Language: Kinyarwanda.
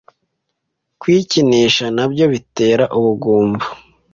kwikinisha nabyo bitera ubugumba